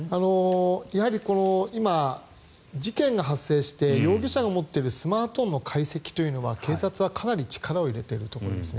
やはり、今事件が発生して容疑者が持っているスマートフォンの解析というのは警察はかなり力を入れていると思いますね。